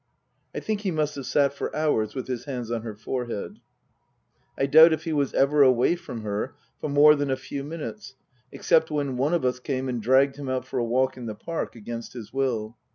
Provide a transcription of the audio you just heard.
I think he must have sat for hours with his hands on her forehead. I doubt if he was ever away from her for more than a few minutes except when one of us came and dragged him out for a walk in the Park against his will.